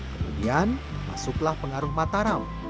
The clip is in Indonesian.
kemudian masuklah pengaruh mataram